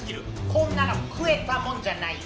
こんなの食えたもんじゃないよ。